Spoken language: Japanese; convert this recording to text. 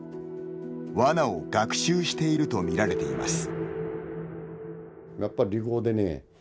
ワナを学習していると見られています。